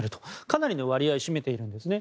かなりの割合を占めているんですね。